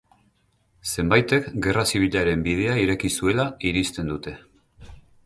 Zenbaitek Gerra Zibilaren bidea ireki zuela irizten dute.